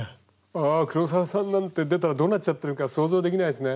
あ黒澤さんなんて出たらどうなっちゃってるか想像できないですね。